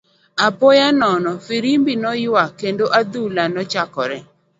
Apoya nono , firimbi noywak, kendo adhula nochakore.